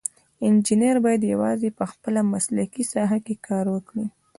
انجینر باید یوازې په خپله مسلکي ساحه کې کار وکړي.